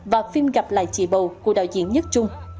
và phim gặp lại chị bầu của đạo diễn nhất trung